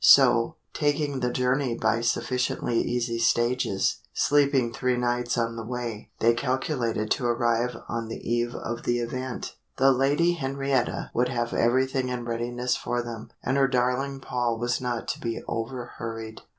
So, taking the journey by sufficiently easy stages, sleeping three nights on the way, they calculated to arrive on the eve of the event. The Lady Henrietta would have everything in readiness for them, and her darling Paul was not to be over hurried.